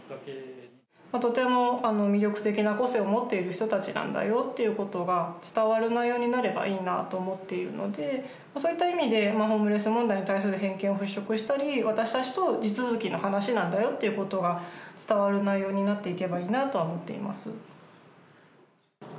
とても魅力的な個性を持っている人たちなんだよっていうことが伝わる内容になればいいなと思っているので、そういった意味で、ホームレス問題に対する偏見を払拭したり、私たちと地続きの話なんだよということが、伝わる内容になっていけばいいなとは思っています。